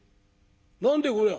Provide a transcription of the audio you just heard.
何でいこりゃ？